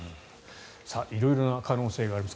色々な可能性があります。